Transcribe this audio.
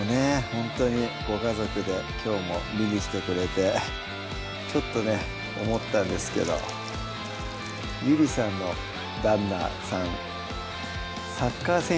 ほんとにご家族できょうも見にきてくれてちょっとね思ったんですけどゆりさんの旦那さん